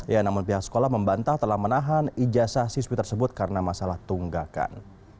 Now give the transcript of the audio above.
ya namun pihak sekolah membantah telah menahan ijazah siswi tersebut karena masalah tunggakan